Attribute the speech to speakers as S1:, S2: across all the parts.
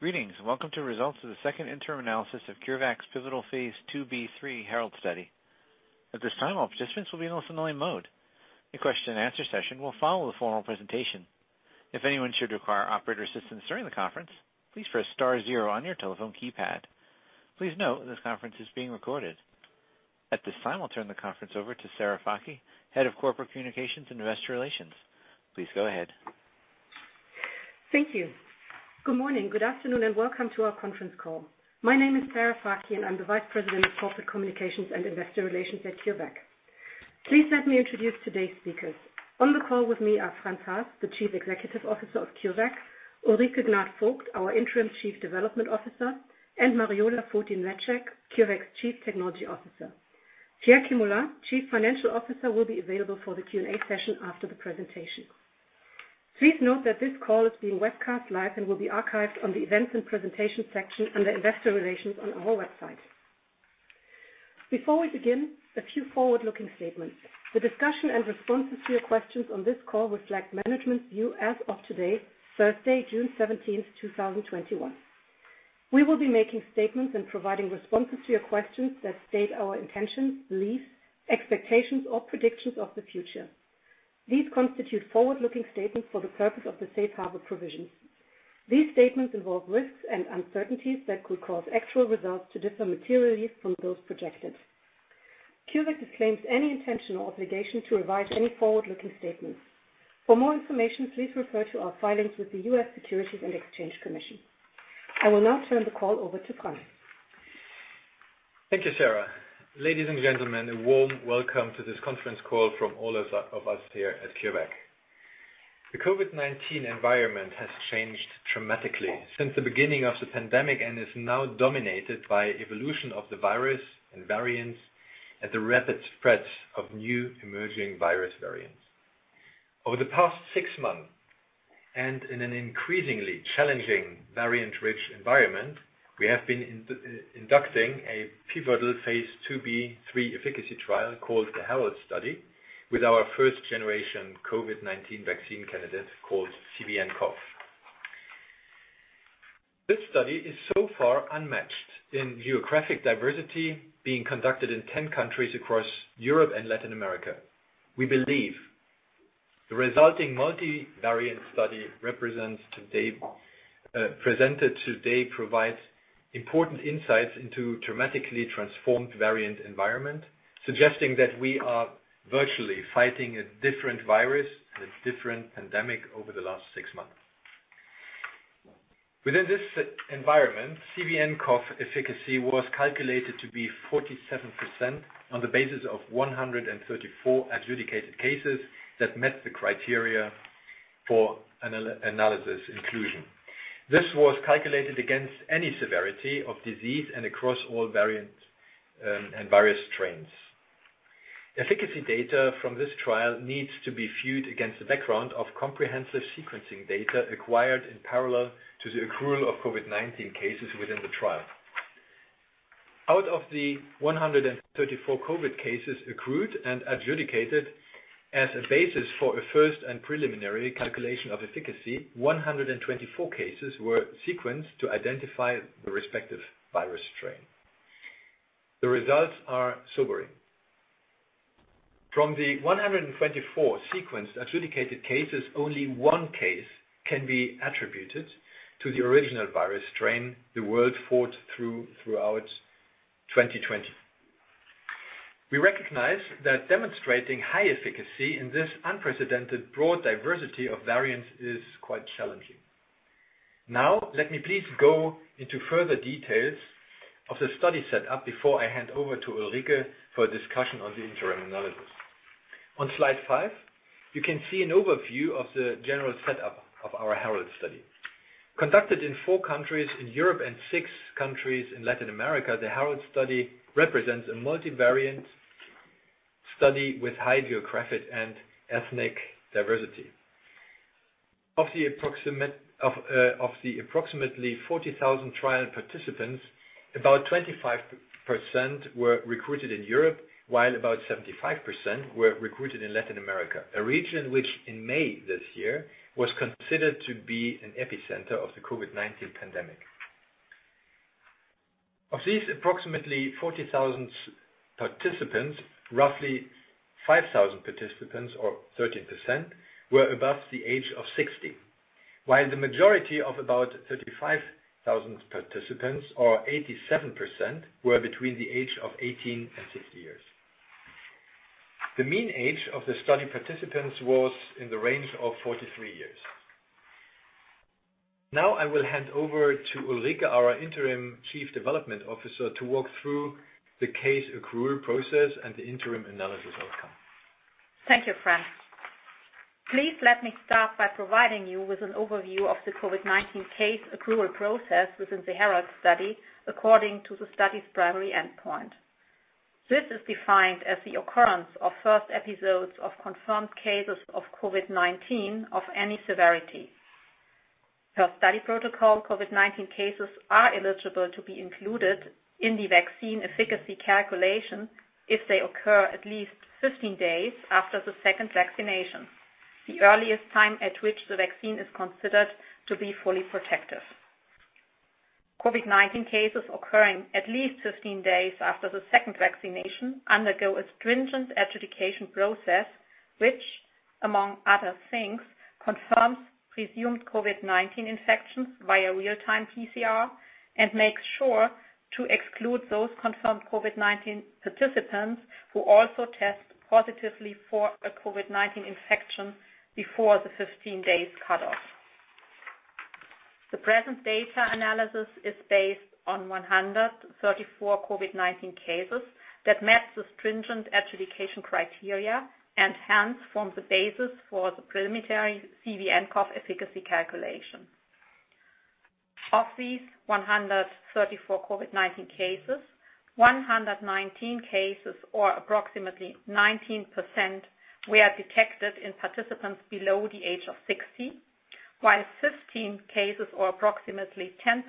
S1: Greetings. Welcome to results of the second interim analysis of CureVac's pivotal phase IIb/III HERALD study. At this time, all participants will be in listening mode. A question and answer session will follow the formal presentation. If anyone should require operator assistance during the conference, please press star zero on your telephone keypad. Please note this conference is being recorded. At this time, I'll turn the conference over to Sarah Fakih, Head of Corporate Communications and Investor Relations. Please go ahead.
S2: Thank you. Good morning, good afternoon, and welcome to our conference call. My name is Sarah Fakih, and I'm the Vice President of Corporate Communications and Investor Relations at CureVac. Please let me introduce today's speakers. On the call with me are Franz-Werner Haas, the Chief Executive Officer of CureVac, Ulrike Gnad-Vogt, our Interim Chief Development Officer, and Mariola Fotin-Mleczek, CureVac's Chief Technology Officer. Pierre Kemula, Chief Financial Officer, will be available for the Q&A session after the presentation. Please note that this call is being webcast live and will be archived on the Events and Presentations section under Investor Relations on our website. Before we begin, a few forward-looking statements. The discussion and responses to your questions on this call reflect management's view as of today, Thursday, June 17th, 2021. We will be making statements and providing responses to your questions that state our intentions, beliefs, expectations, or predictions of the future. These constitute forward-looking statements for the purpose of the safe harbor provisions. These statements involve risks and uncertainties that could cause actual results to differ materially from those projected. CureVac disclaims any intention or obligation to revise any forward-looking statements. For more information, please refer to our filings with the U.S. Securities and Exchange Commission. I will now turn the call over to Franz.
S3: Thank you, Sarah. Ladies and gentlemen, a warm welcome to this conference call from all of us here at CureVac. The COVID-19 environment has changed dramatically since the beginning of the pandemic and is now dominated by evolution of the virus and variants at the rapid spread of new emerging virus variants. Over the past six months, and in an increasingly challenging variant-rich environment, we have been conducting a pivotal phase IIb/III efficacy trial called the HERALD study with our first generation COVID-19 vaccine candidate called CVnCoV. This study is so far unmatched in geographic diversity, being conducted in 10 countries across Europe and Latin America. We believe the resulting multi-variant study presented today provides important insights into a dramatically transformed variant environment, suggesting that we are virtually fighting a different virus and a different pandemic over the last six months. Within this environment, CVnCoV efficacy was calculated to be 47% on the basis of 134 adjudicated cases that met the criteria for analysis inclusion. This was calculated against any severity of disease and across all variant and virus strains. Efficacy data from this trial needs to be viewed against the background of comprehensive sequencing data acquired in parallel to the accrual of COVID-19 cases within the trial. Out of the 134 COVID-19 cases accrued and adjudicated as a basis for a first and preliminary calculation of efficacy, 124 cases were sequenced to identify the respective virus strain. The results are sobering. From the 124 sequenced adjudicated cases, only one case can be attributed to the original virus strain the world fought throughout 2020. We recognize that demonstrating high efficacy in this unprecedented broad diversity of variants is quite challenging. Let me please go into further details of the study setup before I hand over to Ulrike for a discussion on the interim analysis. On slide five, you can see an overview of the general setup of our HERALD study. Conducted in four countries in Europe and six countries in Latin America, the HERALD study represents a multi-variant study with high geographic and ethnic diversity. Of the approximately 40,000 trial participants, about 25% were recruited in Europe, while about 75% were recruited in Latin America, a region which in May this year was considered to be an epicenter of the COVID-19 pandemic. Of these approximately 40,000 participants, roughly 5,000 participants or 30% were above the age of 60, while the majority of about 35,000 participants or 87% were between the age of 18 and 60 years. The mean age of the study participants was in the range of 43 years. Now I will hand over to Ulrike, our Interim Chief Development Officer, to walk through the case accrual process and the interim analysis outcome.
S4: Thank you, Franz. Please let me start by providing you with an overview of the COVID-19 case accrual process within the HERALD study according to the study's primary endpoint. This is defined as the occurrence of first episodes of confirmed cases of COVID-19 of any severity. Per study protocol, COVID-19 cases are eligible to be included in the vaccine efficacy calculation if they occur at least 15 days after the second vaccination, the earliest time at which the vaccine is considered to be fully protective. COVID-19 cases occurring at least 15 days after the second vaccination undergo a stringent adjudication process, which, among other things, confirms presumed COVID-19 infections via real-time PCR and makes sure to exclude those confirmed COVID-19 participants who also test positively for a COVID-19 infection before the 15-day cutoff. The present data analysis is based on 134 COVID-19 cases that met the stringent adjudication criteria and hence form the basis for the preliminary CVnCoV efficacy calculation. Of these 134 COVID-19 cases, 119 cases or approximately 19% were detected in participants below the age of 60, while 15 cases or approximately 10%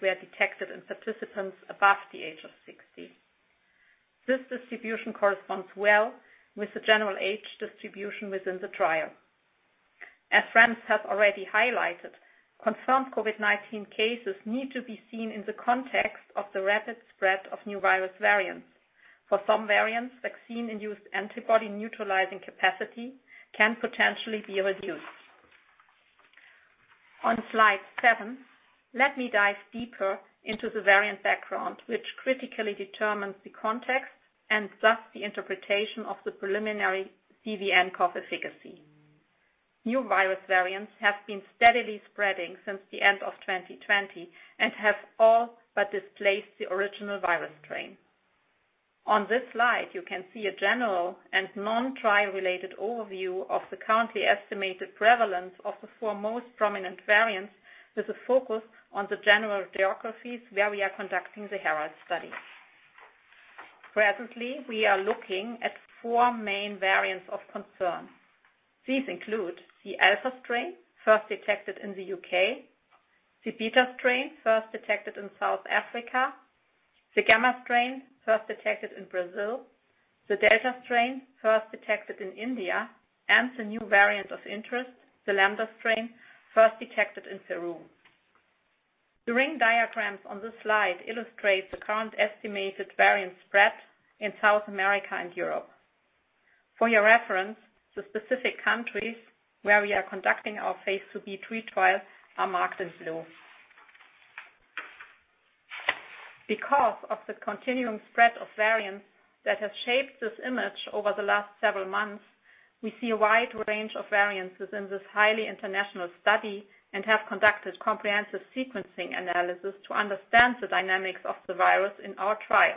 S4: were detected in participants above the age of 60. This distribution corresponds well with the general age distribution within the trial. As Franz have already highlighted, confirmed COVID-19 cases need to be seen in the context of the rapid spread of new virus variants. For some variants, vaccine-induced antibody neutralizing capacity can potentially be reduced. On slide seven, let me dive deeper into the variant background, which critically determines the context and thus the interpretation of the preliminary CVnCoV efficacy. New virus variants have been steadily spreading since the end of 2020 and have all but displaced the original virus strain. On this slide, you can see a general and non-trial-related overview of the currently estimated prevalence of the four most prominent variants, with a focus on the general geographies where we are conducting the HERALD study. Presently, we are looking at four main variants of concern. These include the Alpha strain, first detected in the U.K., the Beta strain, first detected in South Africa, the Gamma strain, first detected in Brazil, the Delta strain, first detected in India, and the new Variant of Interest, the Lambda strain, first detected in Peru. The ring diagrams on this slide illustrate the current estimated variant spread in South America and Europe. For your reference, the specific countries where we are conducting our phase IIb/III trials are marked in blue. Because of the continuing spread of variants that has shaped this image over the last several months, we see a wide range of variances in this highly international study and have conducted comprehensive sequencing analysis to understand the dynamics of the virus in our trial.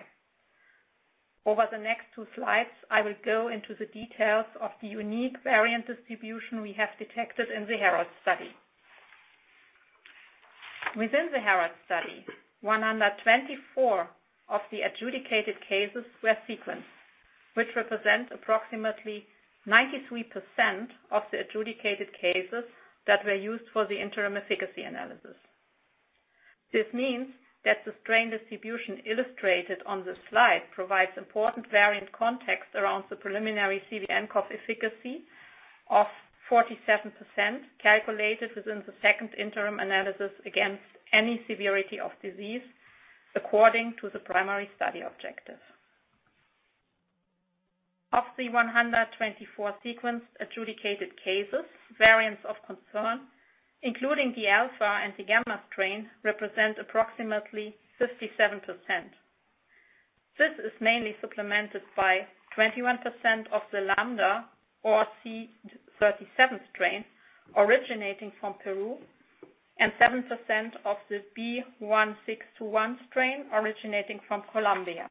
S4: Over the next two slides, I will go into the details of the unique variant distribution we have detected in the HERALD study. Within the HERALD study, 124 of the adjudicated cases were sequenced, which represents approximately 93% of the adjudicated cases that were used for the interim efficacy analysis. This means that the strain distribution illustrated on this slide provides important variant context around the preliminary CVnCoV efficacy of 47% calculated within the second interim analysis against any severity of disease according to the primary study objective. Of the 124 sequenced adjudicated cases, variants of concern, including the Alpha and the Gamma strains, represent approximately 57%. This is mainly supplemented by 21% of the Lambda or C.37 strain originating from Peru and 7% of the B.1.621 strain originating from Colombia.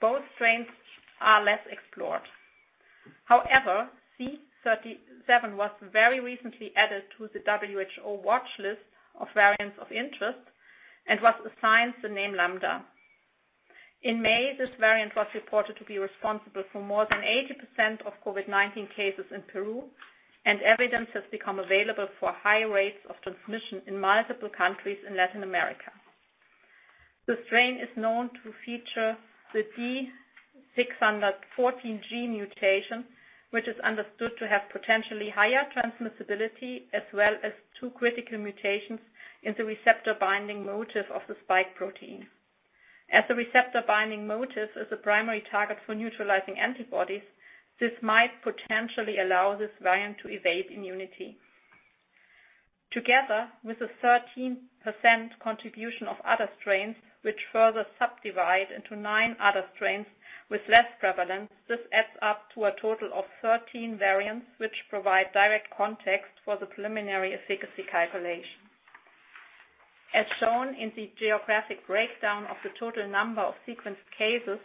S4: Both strains are less explored. However, C.37 was very recently added to the WHO watchlist of variants of interest and was assigned the name Lambda. In May, this variant was reported to be responsible for more than 80% of COVID-19 cases in Peru, and evidence has become available for high rates of transmission in multiple countries in Latin America. The strain is known to feature the D614G mutation, which is understood to have potentially higher transmissibility, as well as two critical mutations in the receptor binding motif of the spike protein. As the receptor binding motif is a primary target for neutralizing antibodies, this might potentially allow this variant to evade immunity. Together with a 13% contribution of other strains, which further subdivide into nine other strains with less prevalence, this adds up to a total of 13 variants, which provide direct context for the preliminary efficacy calculation. As shown in the geographic breakdown of the total number of sequenced cases,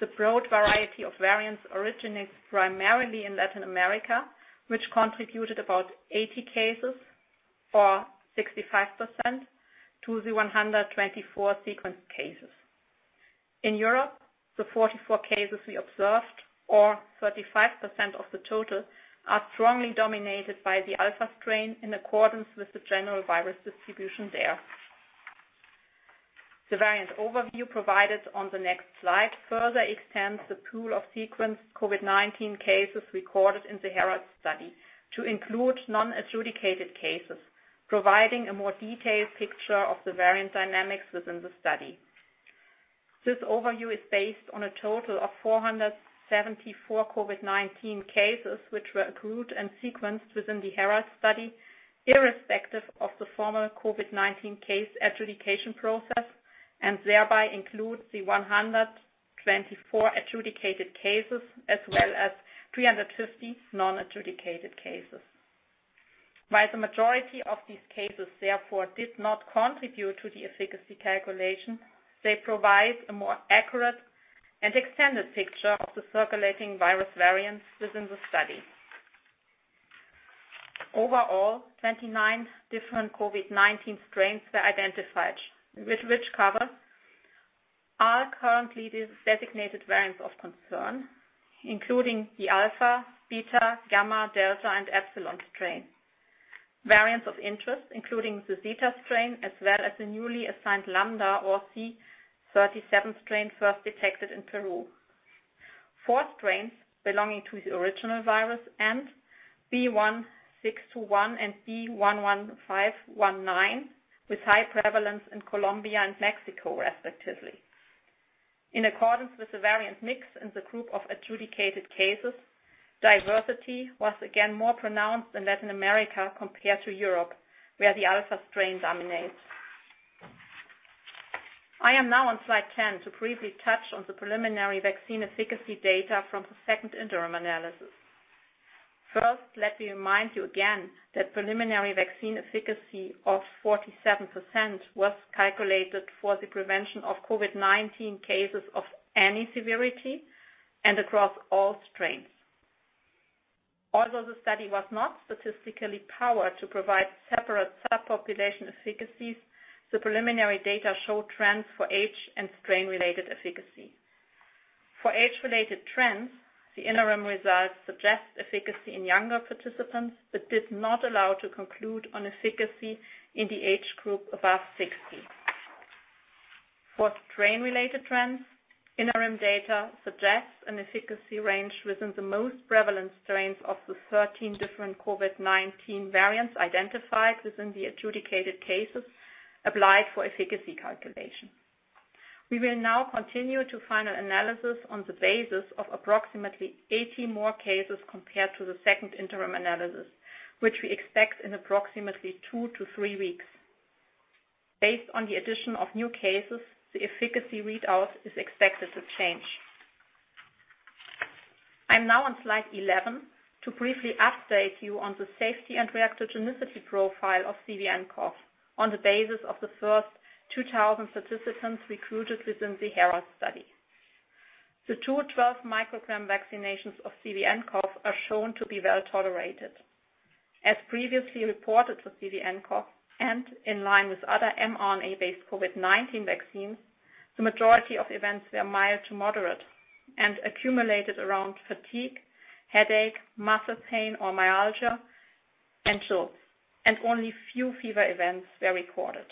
S4: the broad variety of variants originates primarily in Latin America, which contributed about 80 cases, or 65%, to the 124 sequenced cases. In Europe, the 44 cases we observed, or 35% of the total, are strongly dominated by the Alpha strain in accordance with the general virus distribution there. The variant overview provided on the next slide further extends the pool of sequenced COVID-19 cases recorded in the HERALD study to include non-adjudicated cases, providing a more detailed picture of the variant dynamics within the study. This overview is based on a total of 474 COVID-19 cases which were accrued and sequenced within the HERALD study, irrespective of the former COVID-19 case adjudication process, and thereby includes the 124 adjudicated cases as well as 350 non-adjudicated cases. While the majority of these cases therefore did not contribute to the efficacy calculation, they provide a more accurate and extended picture of the circulating virus variants within the study. Overall, 29 different COVID-19 strains were identified, which cover all currently designated variants of concern, including the Alpha, Beta, Gamma, Delta, and Epsilon strain. Variants of interest including the Zeta strain, as well as the newly assigned Lambda or C.37 strain first detected in Peru. four strains belonging to the original virus and B.1.621 and B.1.1.519 with high prevalence in Colombia and Mexico respectively. In accordance with the variant mix in the group of adjudicated cases, diversity was again more pronounced in Latin America compared to Europe, where the Alpha strain dominates. I am now on slide 10 to briefly touch on the preliminary vaccine efficacy data from the second interim analysis. First, let me remind you again that preliminary vaccine efficacy of 47% was calculated for the prevention of COVID-19 cases of any severity and across all strains. Although the study was not statistically powered to provide separate subpopulation efficacies, the preliminary data show trends for age and strain-related efficacy. For age-related trends, the interim results suggest efficacy in younger participants but did not allow to conclude on efficacy in the age group above 60. For strain-related trends, interim data suggests an efficacy range within the most prevalent strains of the 13 different COVID-19 variants identified within the adjudicated cases applied for efficacy calculation. We will now continue to final analysis on the basis of approximately 80 more cases compared to the second interim analysis, which we expect in approximately two to three weeks. Based on the addition of new cases, the efficacy readout is expected to change. I'm now on slide 11 to briefly update you on the safety and reactogenicity profile of CVnCoV on the basis of the first 2,000 participants recruited within the HERALD study. The two 12 μg vaccinations of CVnCoV are shown to be well-tolerated. As previously reported for CVnCoV and in line with other mRNA-based COVID-19 vaccines, the majority of events were mild to moderate and accumulated around fatigue, headache, muscle pain or myalgia, and chills. Only few fever events were recorded.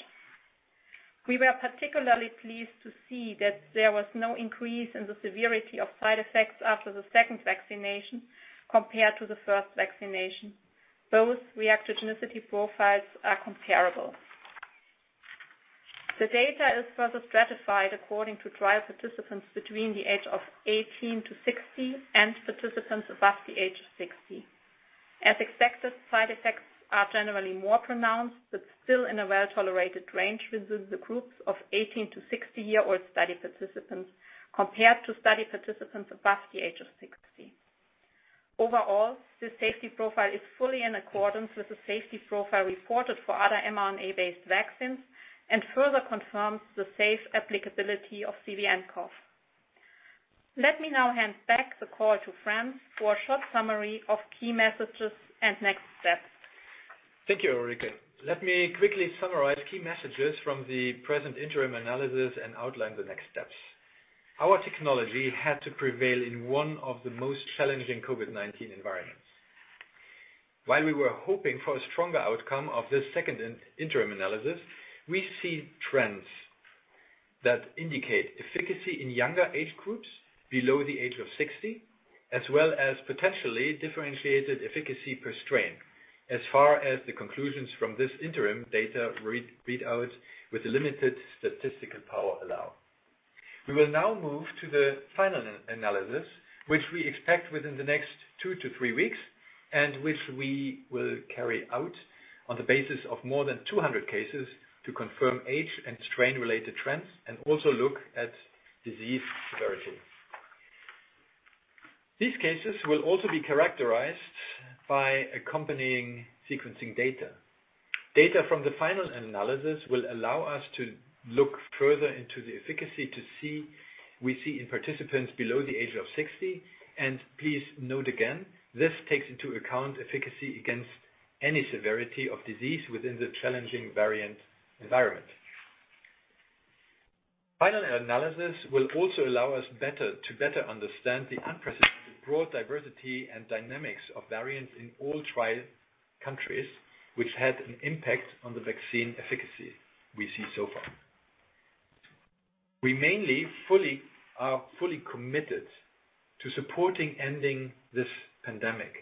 S4: We were particularly pleased to see that there was no increase in the severity of side effects after the second vaccination compared to the first vaccination. Both reactogenicity profiles are comparable. The data is further stratified according to trial participants between the age of 18 to 60 and participants above the age of 60. As expected, side effects are generally more pronounced but still in a well-tolerated range within the groups of 18 to 60-year-old study participants compared to study participants above the age of 60. Overall, the safety profile is fully in accordance with the safety profile reported for other mRNA-based vaccines and further confirms the safe applicability of CVnCoV. Let me now hand back the call to Franz for a short summary of key messages and next steps.
S3: Thank you, Ulrike. Let me quickly summarize key messages from the present interim analysis and outline the next steps. Our technology had to prevail in one of the most challenging COVID-19 environments. While we were hoping for a stronger outcome of this second interim analysis, we see trends that indicate efficacy in younger age groups below the age of 60, as well as potentially differentiated efficacy per strain as far as the conclusions from this interim data readout with the limited statistical power allow. We will now move to the final analysis, which we expect within the next two to three weeks and which we will carry out on the basis of more than 200 cases to confirm age and strain-related trends and also look at disease severity. These cases will also be characterized by accompanying sequencing data. Data from the final analysis will allow us to look further into the efficacy to see in participants below the age of 60. Please note again, this takes into account efficacy against any severity of disease within the challenging variant environment. Final analysis will also allow us to better understand the unprecedented broad diversity and dynamics of variants in all trial countries, which had an impact on the vaccine efficacy we see so far. We mainly are fully committed to supporting ending this pandemic.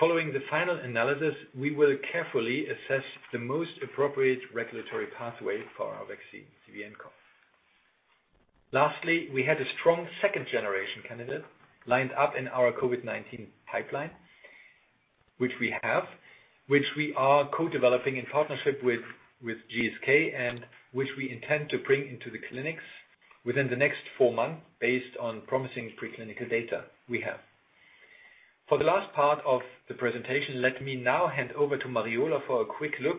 S3: Following the final analysis, we will carefully assess the most appropriate regulatory pathway for our vaccine, CVnCoV. Lastly, we had a strong second-generation candidate lined up in our COVID-19 pipeline, which we are co-developing in partnership with GSK, and which we intend to bring into the clinics within the next four months based on promising preclinical data we have. For the last part of the presentation, let me now hand over to Mariola for a quick look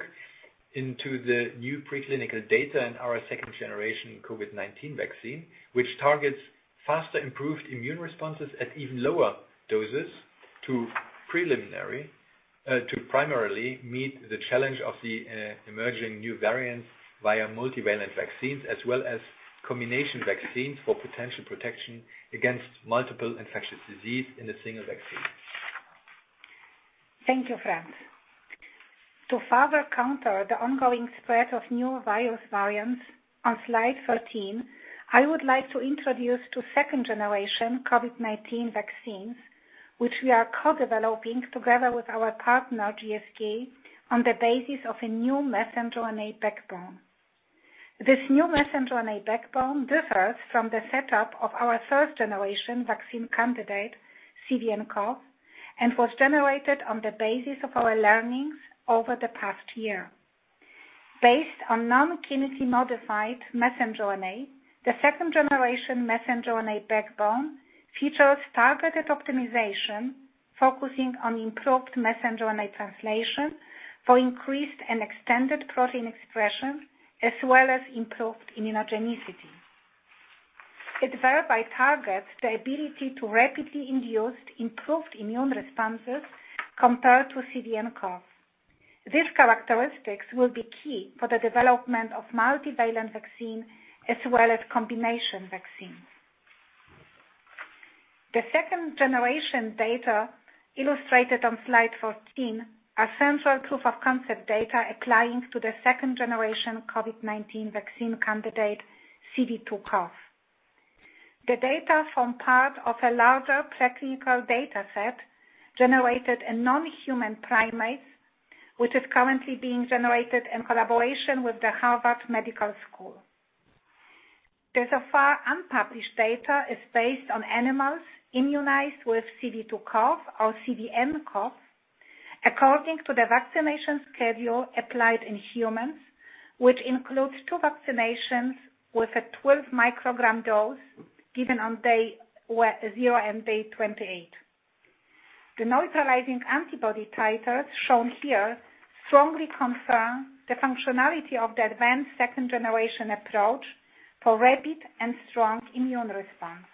S3: into the new preclinical data in our second-generation COVID-19 vaccine, which targets faster improved immune responses at even lower doses to primarily meet the challenge of the emerging new variants via multivalent vaccines, as well as combination vaccines for potential protection against multiple infectious disease in a single vaccine.
S5: Thank you, Franz. To further counter the ongoing spread of new virus variants, on slide 13, I would like to introduce two 2nd generation COVID-19 vaccines, which we are co-developing together with our partner, GSK, on the basis of a new messenger RNA backbone. This new messenger RNA backbone differs from the setup of our 1st generation vaccine candidate, CVnCoV, and was generated on the basis of our learnings over the past year. Based on non-chemically modified messenger RNA, the 2nd generation messenger RNA backbone featured targeted optimization, focusing on improved messenger RNA translation for increased and extended protein expression, as well as improved immunogenicity. It thereby targets the ability to rapidly induce improved immune responses compared to CVnCoV. These characteristics will be key for the development of multivalent vaccine, as well as combination vaccines. The 2nd generation data illustrated on slide 14 are central proof of concept data applying to the 2nd generation COVID-19 vaccine candidate, CV2CoV. The data from part of a larger preclinical data set generated in non-human primates, which is currently being generated in collaboration with the Harvard Medical School. The so far unpublished data is based on animals immunized with CV2CoV or CVnCoV, according to the vaccination schedule applied in humans, which includes two vaccinations with a 12 μg dose given on day zero and day 28. The neutralizing antibody titers shown here strongly confirm the functionality of the advanced 2nd generation approach for rapid and strong immune response.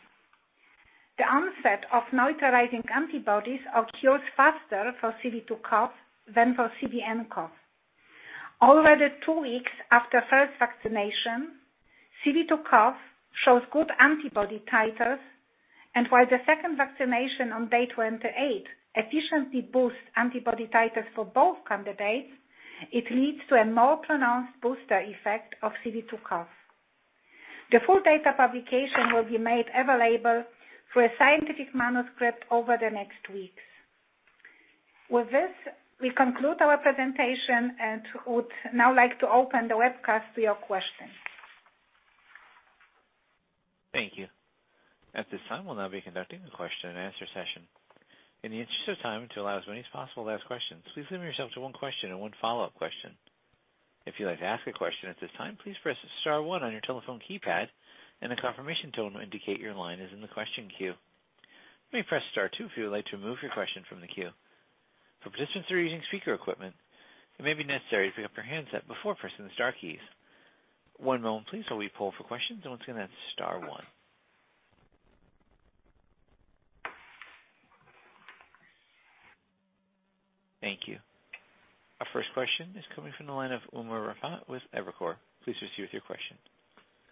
S5: The onset of neutralizing antibodies occurs faster for CV2CoV than for CVnCoV. Already two weeks after first vaccination, CV2CoV shows good antibody titers, and while the second vaccination on day 28 efficiently boosts antibody titers for both candidates, it leads to a more pronounced booster effect of CV2CoV. The full data publication will be made available through a scientific manuscript over the next weeks. With this, we conclude our presentation and would now like to open the webcast to your questions.
S1: Thank you. At this time, we'll now be conducting a question and answer session. In the interest of time, which allows as many as possible to ask questions, please limit yourself to one question and one follow-up question. If you'd like to ask a question at this time, please press star one on your telephone keypad, and a confirmation tone will indicate your line is in the question queue. You may press star two if you'd like to remove your question from the queue. For participants who are using speaker equipment, it may be necessary to pick up your handset before pressing the star keys. one moment, please, while we poll for questions. Once again, that's star one. Thank you. Our first question is coming from the line of Umer Raffat with Evercore. Please proceed with your question.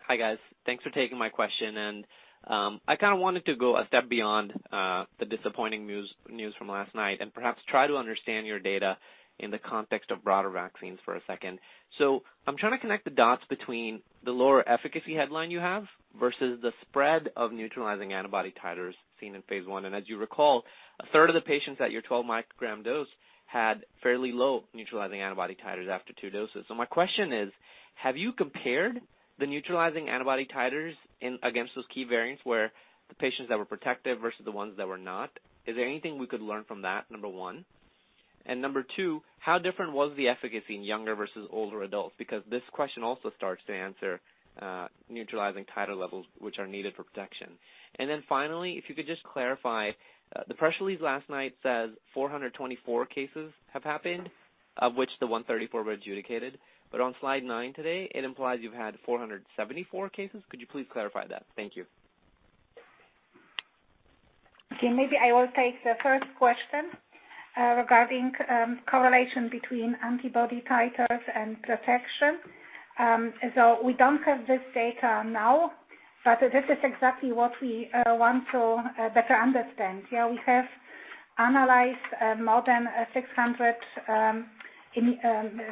S6: Hi, guys. Thanks for taking my question. I wanted to go a step beyond the disappointing news from last night and perhaps try to understand your data in the context of broader vaccines for a second. I'm trying to connect the dots between the lower efficacy headline you have versus the spread of neutralizing antibody titers seen in phase I. As you recall, a third of the patients at your 12 μg dose had fairly low neutralizing antibody titers after two doses. My question is, have you compared the neutralizing antibody titers against those key variants where the patients that were protected versus the ones that were not? Is there anything we could learn from that, number one? Number two, how different was the efficacy in younger versus older adults? This question also starts to answer neutralizing titer levels which are needed for protection. Finally, if you could just clarify, the press release last night says 424 cases have happened, of which the 134 were adjudicated. On slide nine today, it implies you've had 474 cases. Could you please clarify that? Thank you.
S5: Maybe I will take the first question regarding correlation between antibody titers and protection. We don't have this data now, but this is exactly what we want to better understand. We have analyzed more than 600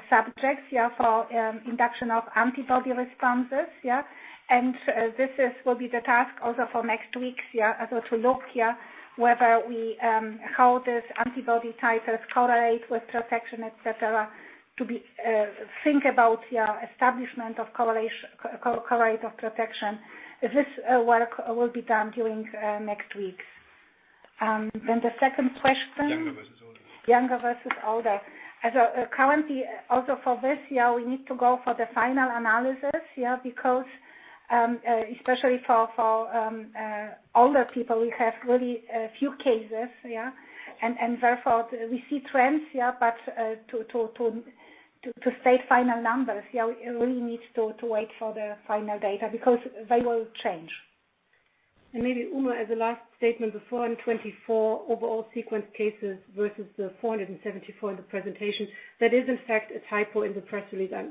S5: subjects for induction of antibody responses. This will be the task also for next weeks, to look here whether how this antibody titers correlate with protection, et cetera, to think about establishment of correlate of protection. This work will be done during next weeks. The second question, younger versus older. Currently, also for this, we need to go for the final analysis. Because, especially for older people, we have really a few cases. Therefore, we see trends, but to state final numbers, we really need to wait for the final data because they will change.
S2: Maybe, Umer, the last statement, the 424 overall sequenced cases versus the 474 in the presentation. That is, in fact, a typo in the press release. I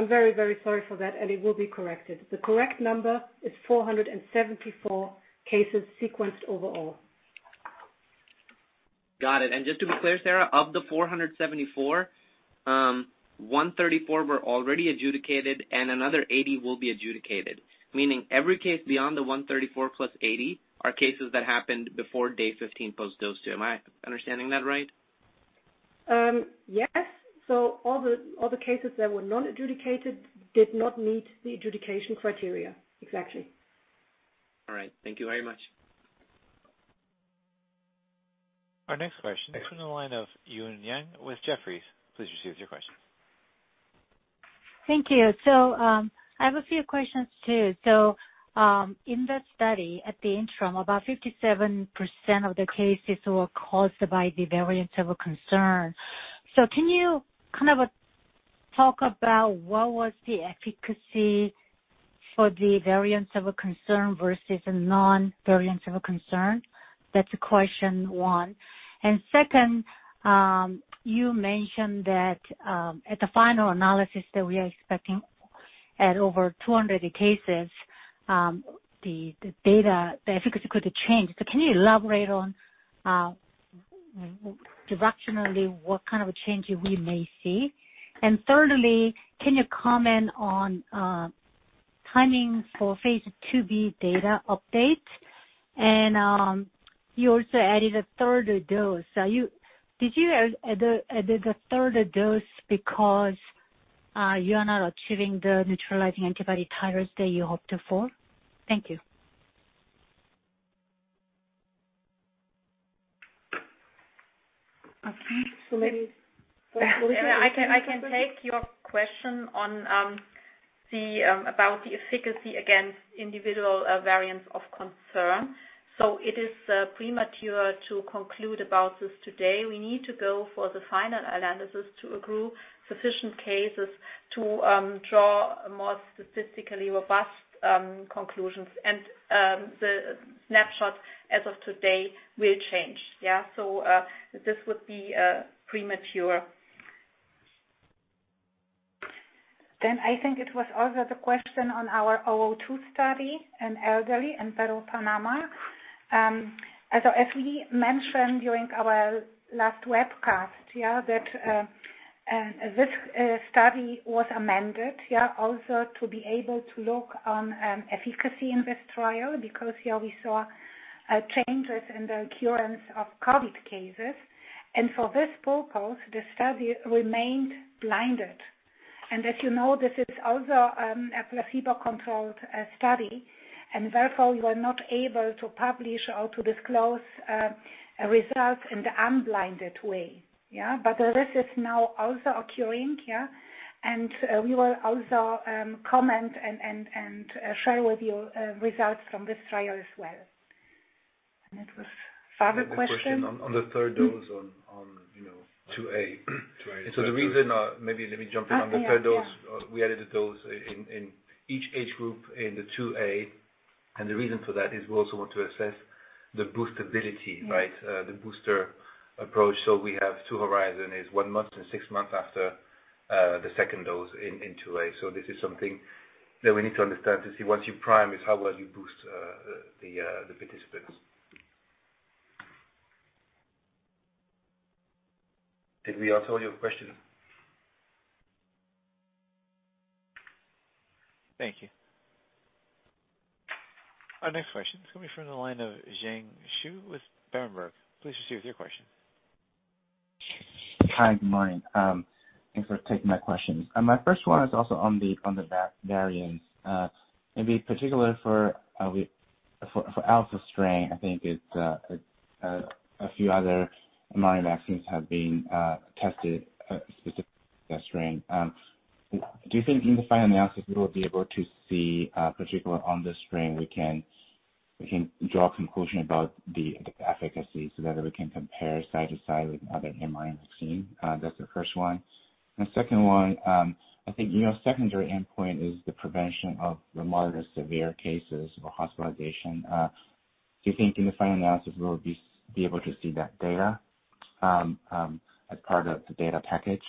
S2: am very sorry for that, and it will be corrected. The correct number is 474 cases sequenced overall.
S6: Got it. Just to be clear, Sarah, of the 474, 134 were already adjudicated and another 80 will be adjudicated, meaning every case beyond the 134 plus 80 are cases that happened before day 15 post-dose two. Am I understanding that right?
S2: Yes. All the cases that were not adjudicated did not meet the adjudication criteria. Exactly.
S6: All right. Thank you very much.
S1: Our next question comes from the line of Eun Yang with Jefferies. Please proceed with your question.
S7: Thank you. I have a few questions, too. In the study at the interim, about 57% of the cases were caused by the variants of concern. Can you talk about what was the efficacy for the variants of concern versus non-variants of concern? That's question one. Second, you mentioned that at the final analysis that we are expecting at over 200 cases, the data efficacy could change. Can you elaborate on directionally what kind of changes we may see? Thirdly, can you comment on timing for phase IIb data updates? You also added a third dose. Did you add a third dose because you're not achieving the neutralizing antibody titers that you hoped for? Thank you.
S4: I can take your question about the efficacy against individual variants of concern. It is premature to conclude about this today. We need to go for the final analysis to accrue sufficient cases to draw more statistically robust conclusions, and the snapshots as of today will change. This would be premature.
S5: I think it was also the question on our 002 study in elderly in Peru, Panama. As we mentioned during our last webcast, that this study was amended also to be able to look on efficacy in this trial because we saw changes in the occurrence of COVID cases. For this focus, the study remained blinded. As you know, this is also a placebo-controlled study, and therefore, we're not able to publish or to disclose results in an unblinded way. This is now also occurring, and we will also comment and share with you results from this trial as well. It was, other question?
S3: On the third dose on phase IIa. The reason, maybe let me jump in on the third dose. We added the dose in each age group in the phase IIa, the reason for that is we also want to assess the boostability. The booster approach. We have two horizon is one month and six months after the second dose in phase IIa. This is something that we need to understand to see once you prime is how well you boost the participants. Did we answer all your question?
S7: Thank you.
S1: Our next question is coming from the line of Zhiqiang Shu with Berenberg. Please proceed with your question.
S8: Hi, good morning. Thanks for taking my questions. My first one is also on the variants, maybe particularly for Alpha strain, I think a few other mRNA vaccines have been tested specifically for that strain. Do you think in the final analysis we will be able to see, particularly on the strain, we can draw conclusion about the efficacy so that we can compare side to side with other mRNA vaccine? That's the first one. Second one, I think your secondary endpoint is the prevention of moderate to severe cases or hospitalization. Do you think in the final analysis we'll be able to see that data as part of the data package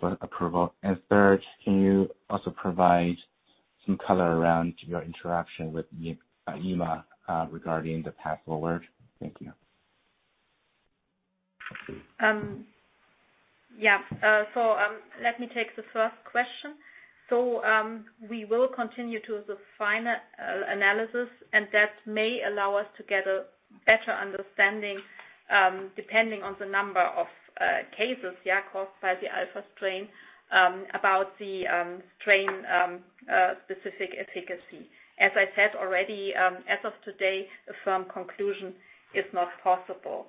S8: for approval? Third, can you also provide some color around your interaction with EMA regarding the path forward? Thank you.
S4: Yeah. Let me take the first question. We will continue to the final analysis, and that may allow us to get a better understanding, depending on the number of cases caused by the Alpha strain, about the strain-specific efficacy. As I said already, as of to date, some conclusion is not possible.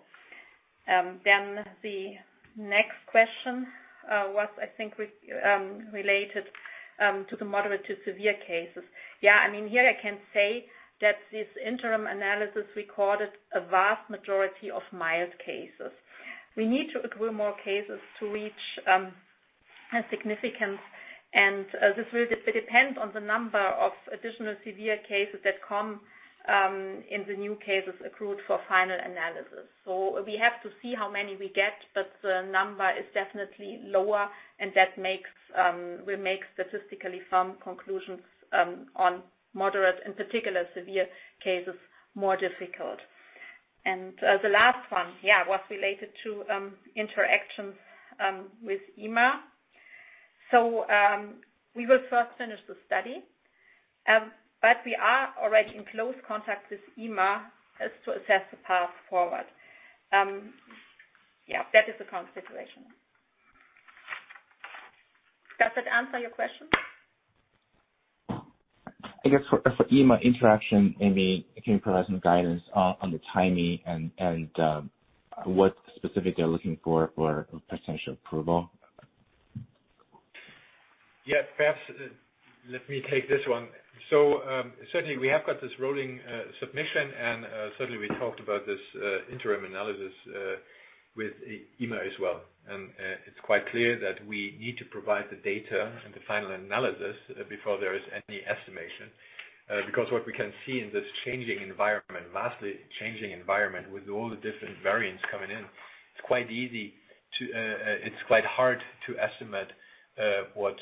S4: The next question was, I think, related to the moderate to severe cases. Yeah, here I can say that this interim analysis recorded a vast majority of mild cases. We need to accrue more cases to reach significance, and this will depend on the number of additional severe cases that come in the new cases accrued for final analysis. We have to see how many we get, but the number is definitely lower, and that will make statistically some conclusions on moderate and particular severe cases more difficult.
S5: The last one, yeah, was related to interactions with EMA. We will first finish the study, but we are already in close contact with EMA as to assess the path forward. Yeah, that is the current situation. Does that answer your question?
S8: I guess for EMA interaction, maybe if you can provide some guidance on the timing and what specifically you're looking for potential approval.
S3: Yeah, first let me take this one. Certainly we have got this rolling submission, and certainly we talked about this interim analysis with EMA as well. It's quite clear that we need to provide the data and the final analysis before there is any estimation. What we can see in this changing environment, vastly changing environment with all the different variants coming in, it's quite hard to estimate what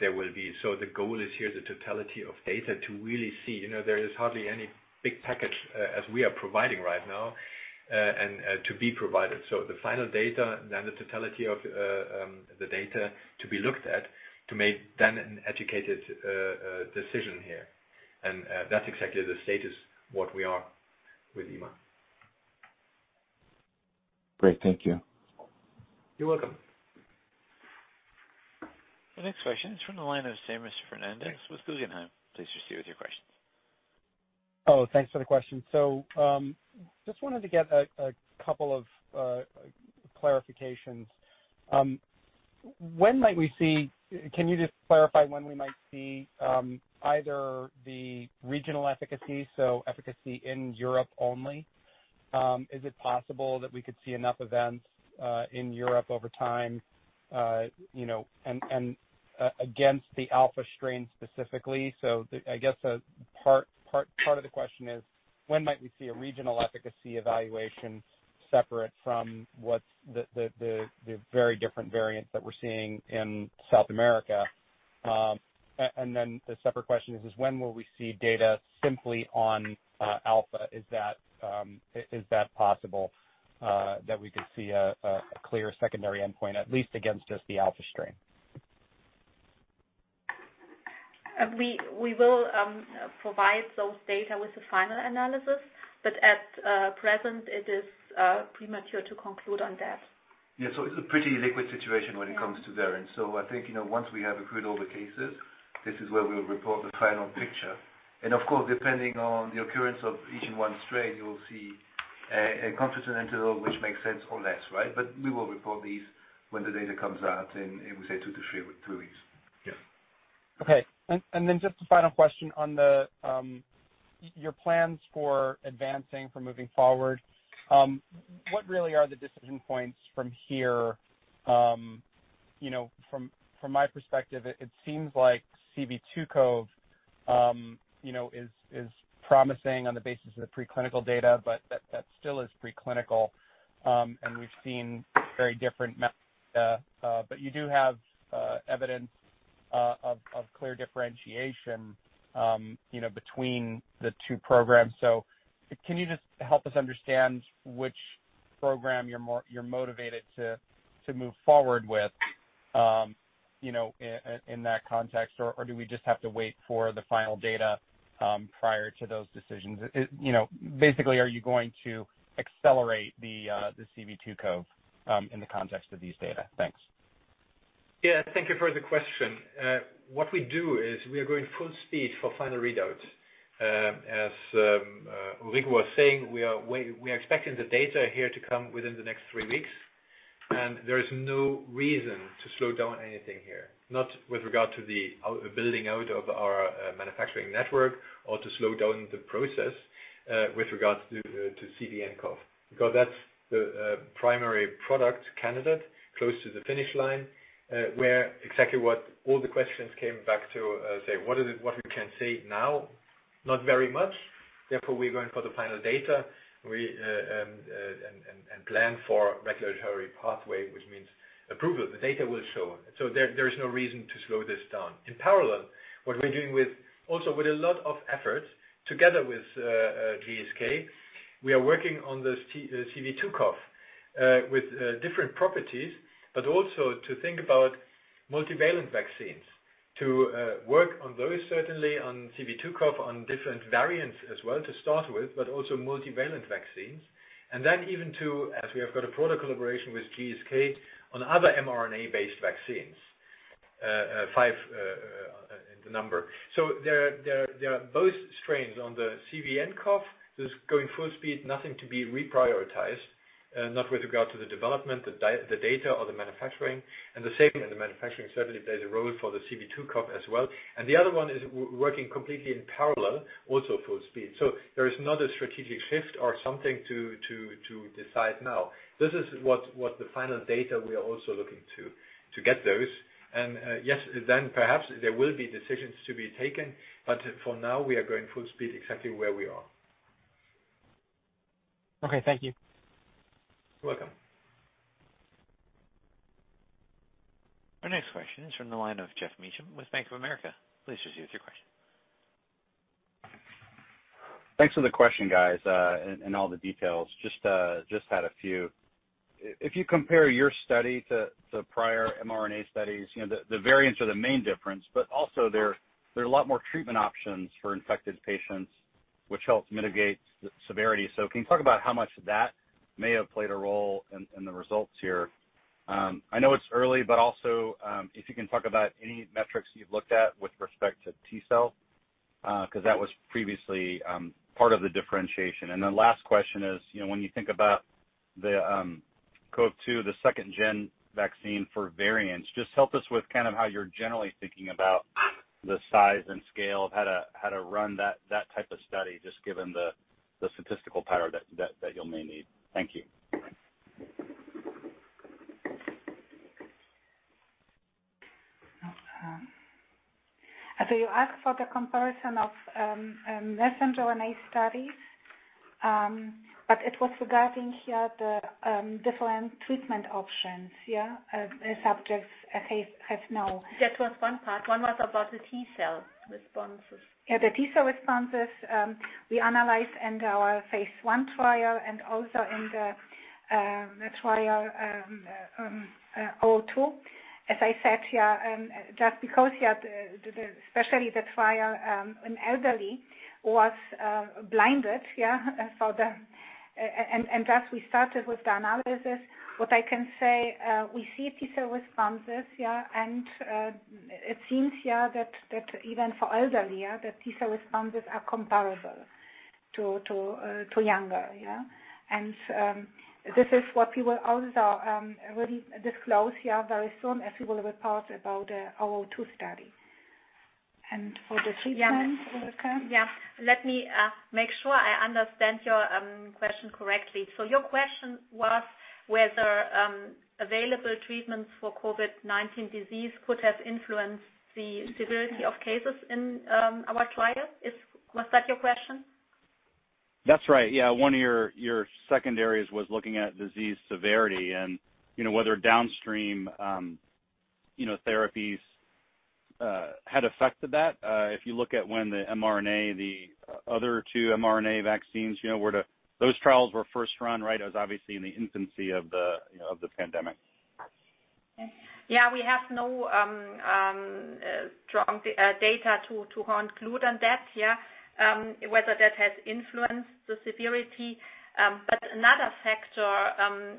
S3: there will be. The goal is here, the totality of data to really see. There is hardly any big package as we are providing right now and to be provided. The final data, then the totality of the data to be looked at to make then an educated decision here. That's exactly the status, what we are with EMA.
S8: Great. Thank you.
S3: You're welcome.
S1: The next question is from the line of Seamus Fernandez with Guggenheim. Please proceed with your question.
S9: Oh, thanks for the question. Just wanted to get a couple of clarifications. Can you just clarify when we might see either the regional efficacy, so efficacy in Europe only? Is it possible that we could see enough events in Europe over time and against the Alpha strain specifically? I guess a part of the question is, when might we see a regional efficacy evaluation separate from the very different variants that we're seeing in South America? The separate question is when will we see data simply on Alpha? Is that possible that we could see a clear secondary endpoint, at least against just the Alpha strain?
S4: We will provide those data with the final analysis, but at present it is premature to conclude on that.
S3: Yeah, it's a pretty liquid situation when it comes to variants. I think, once we have accrued all the cases, this is where we'll report the final picture. Of course, depending on the occurrence of each one strain, you'll see a confidence interval which makes sense or less, right? We will report these when the data comes out in, we say, two to three weeks. Yeah.
S9: Okay, just a final question on your plans for advancing for moving forward. What really are the decision points from here? From my perspective, it seems like CV2CoV is promising on the basis of the preclinical data, but that still is preclinical. We've seen very different but you do have evidence of clear differentiation between the two programs. Can you just help us understand which program you're motivated to move forward with, in that context? Do we just have to wait for the final data prior to those decisions? Basically, are you going to accelerate the CV2CoV in the context of these data? Thanks.
S3: Thank you for the question. What we do is we are going full speed for final readouts. As Ulrike was saying, we are expecting the data here to come within the next three weeks, and there is no reason to slow down anything here, not with regard to the building out of our manufacturing network or to slow down the process with regards to CVnCoV. Because that's the primary product candidate close to the finish line, where exactly what all the questions came back to say, what we can say now, not very much. We're going for the final data and plan for regulatory pathway, which means approval. The data will show. There is no reason to slow this down. In parallel, what we're doing also with a lot of effort together with GSK, we are working on the CV2CoV with different properties, but also to think about multivalent vaccines. To work on those, certainly on CV2CoV, on different variants as well to start with, but also multivalent vaccines. Even to, as we have got a product collaboration with GSK, on other mRNA-based vaccines, five in the number. There are both strains. On the CVnCoV, this is going full speed, nothing to be reprioritized, not with regard to the development, the data, or the manufacturing. The same in the manufacturing, certainly there's a role for the CV2CoV as well. The other one is working completely in parallel, also full speed. There is not a strategic shift or something to decide now. This is what the final data we are also looking to get those. Yes, perhaps there will be decisions to be taken, but for now, we are going full speed exactly where we are.
S9: Okay. Thank you.
S3: You're welcome.
S1: Our next question is from the line of Geoff Meacham with Bank of America. Please proceed with your question.
S10: Thanks for the question, guys, and all the details. Just had a few. If you compare your study to prior mRNA studies, the variants are the main difference, also there are a lot more treatment options for infected patients, which helps mitigate the severity. Can you talk about how much that may have played a role in the results here? I know it's early, also, if you can talk about any metrics you've looked at with respect to T-cell, because that was previously part of the differentiation. Last question is, when you think about the CoV-2, the 2nd-gen vaccine for variants, just help us with kind of how you're generally thinking about the size and scale of how to run that type of study, just given the statistical power that you'll may need. Thank you.
S5: Okay. You asked for the comparison of messenger RNA studies, but it was regarding here the different treatment options, yeah, as subjects have now. That was one part. One was about the T-cell responses. The T-cell responses, we analyzed in our phase I trial and also in the trial 02. As I said here, just because here, especially the trial in elderly was blinded, and just we started with the analysis. What I can say, we see T-cell responses. It seems here that even for elderly, the T-cell responses are comparable to younger. This is what we will also really disclose here very soon as we will report about our two study. For the treatment, Ulrike?
S4: Yeah. Let me make sure I understand your question correctly. Your question was whether available treatments for COVID-19 disease could have influenced the severity of cases in our trials? Was that your question?
S10: That's right. Yeah. One of your secondaries was looking at disease severity and whether downstream therapies had affected that. If you look at when the mRNA, the other two mRNA vaccines, those trials were first run, right? It was obviously in the infancy of the COVID-19 pandemic.
S4: We have no strong data to conclude on that, whether that has influenced the severity. Another factor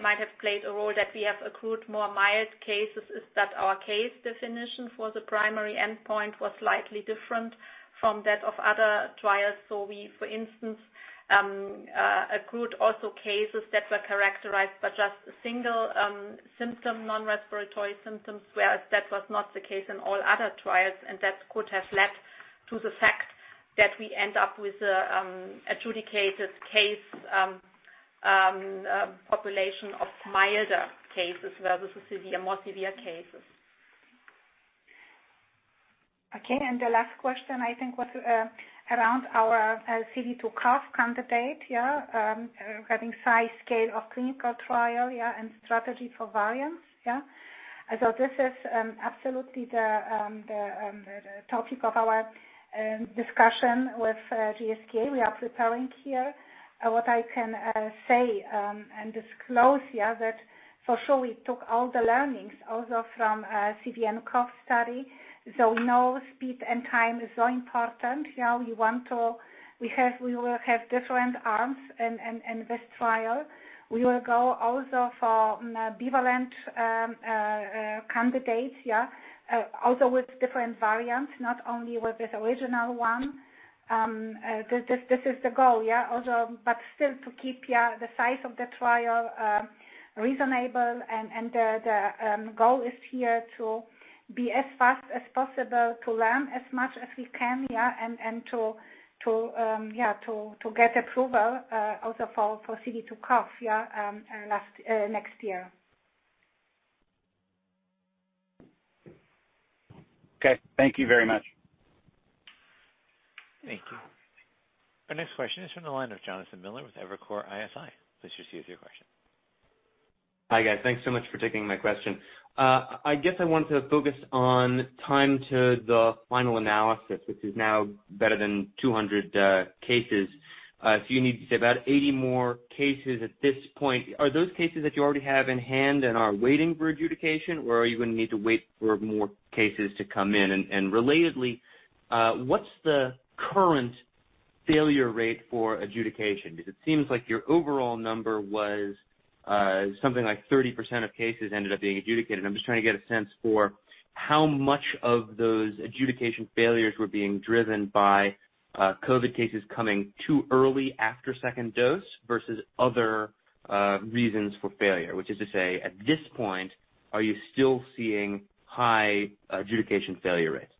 S4: might have played a role that we have accrued more mild cases is that our case definition for the primary endpoint was slightly different from that of other trials. For instance a crude also cases that were characterized by just a single non respiratory symptom. That was not the case in all other trials that could have led to the fact that we end up with adjudicated case population of milder cases rather than more severe cases.
S5: Okay, the last question I think was around our CV2CoV candidate. Having size, scale of clinical trial, strategy for variants. This is absolutely the topic of our discussion with GSK. We are preparing here. What I can say and disclose here that for sure we took all the learnings also from CVnCoV study. Know speed and time is so important here. We will have different arms in this trial. We will go also for bivalent candidates. Also with different variants, not only with the original one. This is the goal. Still to keep the size of the trial reasonable and the goal is here to be as fast as possible, to learn as much as we can here and to get approval also for CV2CoV next year.
S10: Okay, thank you very much.
S3: Thank you.
S1: Our next question is from the line of Jonathan Miller with Evercore ISI. Please proceed with your question.
S11: Hi, guys. Thanks so much for taking my question. I guess I wanted to focus on time to the final analysis, which is now better than 200 cases. You need to say about 80 more cases at this point. Are those cases that you already have in hand and are waiting for adjudication, or are you going to need to wait for more cases to come in? Relatedly, what's the current failure rate for adjudication? It seems like your overall number was something like 30% of cases ended up being adjudicated. I'm just trying to get a sense for how much of those adjudication failures were being driven by COVID cases coming too early after second dose versus other reasons for failure, which is to say, at this point, are you still seeing high adjudication failure rates?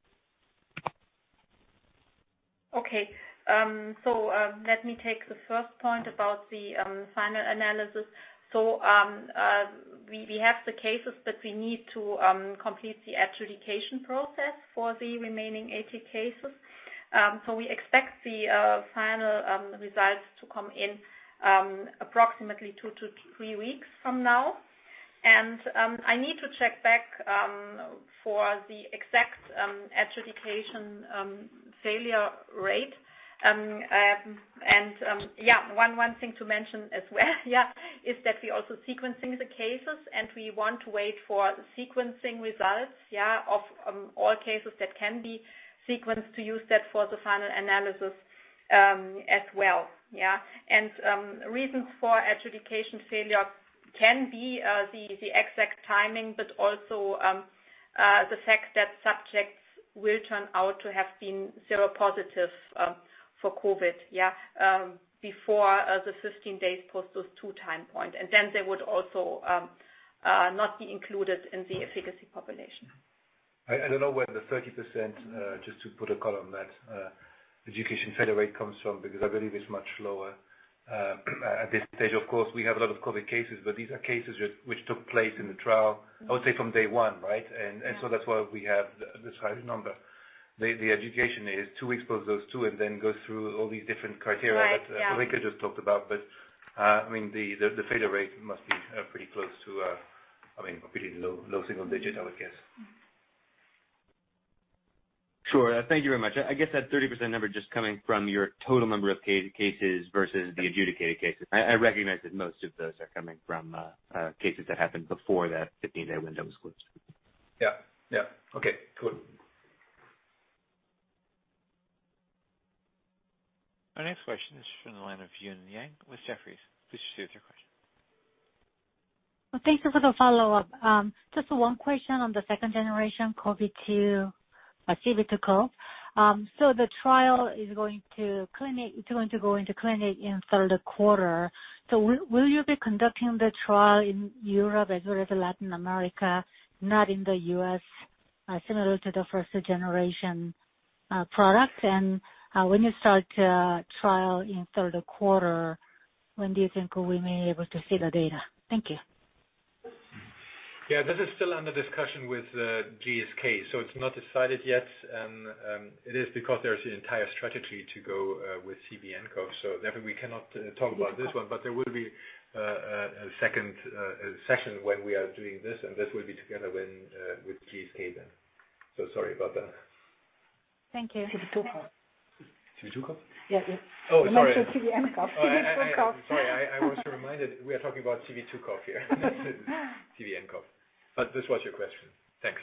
S4: Okay. Let me take the first point about the final analysis. We have the cases, but we need to complete the adjudication process for the remaining 80 cases. I need to check back for the exact adjudication failure rate. One thing to mention as well is that we're also sequencing the cases, and we want to wait for sequencing results of all cases that can be sequenced to use that for the final analysis as well. Reasons for adjudication failure can be the exact timing, but also the fact that subjects will turn out to have been seropositive for COVID-19 before the 15 days post those two time point. Then they would also not be included in the efficacy population.
S3: I don't know where the 30%, just to put a column that adjudication failure rate comes from, because I believe it's much lower. At this stage, of course, we have a lot of COVID cases, but these are cases which took place in the trial, I'll say from day one, right? That's why we have the trial number. The adjudication is two weeks post dose two and then goes through all these different criteria-
S4: Right, yeah.
S3: that Ulrike just talked about. The failure rate must be pretty close to completely low single digit, I would guess.
S11: Sure. Thank you very much. I guess that 30% number just coming from your total number of cases versus the adjudicated cases. I recognize that most of those are coming from cases that happened before the 15-day window was.
S3: Yeah. Okay, cool.
S1: Our next question is from the line of Eun Yang with Jefferies. Please proceed with your question.
S7: Thanks. A little follow-up. Just one question on the second-generation CV2CoV. The trial is going to go into clinic in third quarter. Will you be conducting the trial in Europe as well as Latin America, not in the U.S., similar to the first generation products? When you start trial in third quarter, when do you think we may be able to see the data? Thank you.
S3: Yeah, this is still under discussion with GSK, so it's not decided yet. It is because there's the entire strategy to go with CVnCoV, so therefore we cannot talk about this one. There will be a second session when we are doing this, and this will be together with GSK then. Sorry about that.
S7: Thank you.
S4: CV2CoV.
S3: CV2CoV?
S7: Yes.
S3: Oh, sorry.
S7: Not the CVnCoV.
S3: Sorry, I was reminded we're talking about CV2CoV here not CVnCoV. This was your question. Thanks.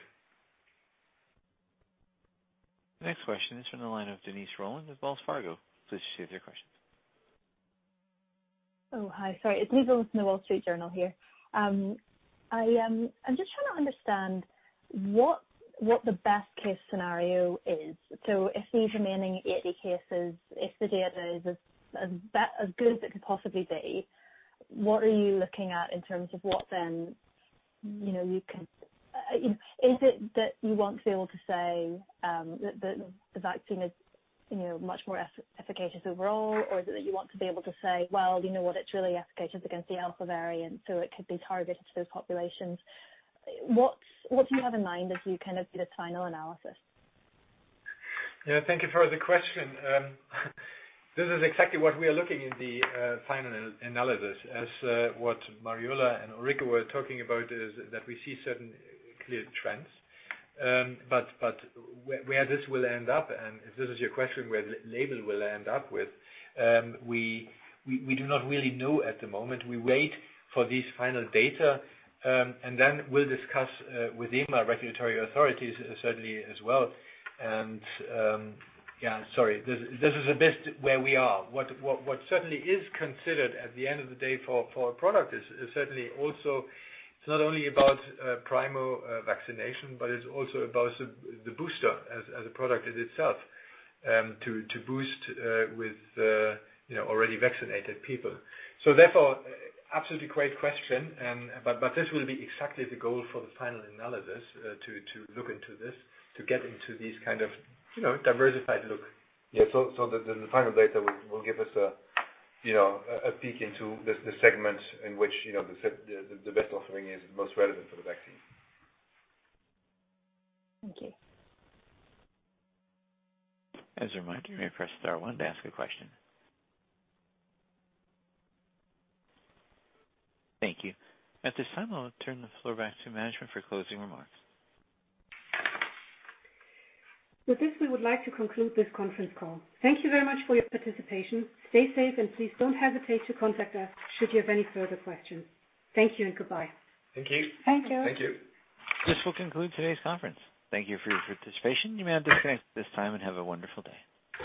S1: Next question is from the line of Denise Roland with Wells Fargo. Please proceed with your question.
S12: Oh, hi. Sorry, it's Nina with The Wall Street Journal here. I'm just trying to understand what the best-case scenario is. If these remaining 80 cases, if the data is as good as it could possibly be, what are you looking at in terms of what then? Is it that you want to be able to say that the vaccine is much more efficacious overall? Is it you want to be able to say, well, you know what, it's really efficacious against the Alpha variant, so it could be targeted to those populations? What do you have in mind as you kind of see the final analysis?
S3: Yeah, thank you for the question. This is exactly what we are looking in the final analysis, as what Mariola and Ulrike were talking about is that we see certain clear trends. Where this will end up, and if this is your question, where the label will end up with, we do not really know at the moment. We wait for these final data, and then we'll discuss with EMA regulatory authorities certainly as well. Yeah, sorry, this is the best where we are. What certainly is considered at the end of the day for a product is certainly also it's not only about primary vaccination, but it's also about the booster as a product in itself to boost with already vaccinated people. Therefore, absolutely great question, but this will be exactly the goal for the final analysis to look into this, to get into these kind of diversified look. The final data will give us a peek into the segment in which the best offering is most relevant for the vaccine.
S12: Thank you.
S1: As a reminder, you may press star one to ask a question. Thank you. At this time, I'll turn the floor back to management for closing remarks.
S2: With this, we would like to conclude this conference call. Thank you very much for your participation. Stay safe, and please don't hesitate to contact us should you have any further questions. Thank you and goodbye.
S3: Thank you.
S4: Thank you.
S1: This will conclude today's conference. Thank you for your participation. You may disconnect at this time and have a wonderful day.